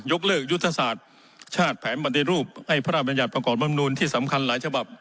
เลิกยุทธศาสตร์ชาติแผนปฏิรูปให้พระราชบัญญัติประกอบรำนูลที่สำคัญหลายฉบับ